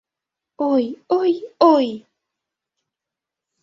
Ой-ой-ой!..